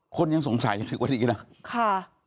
คนยังสงสัยอย่างนี้กว่าดีนะค่ะ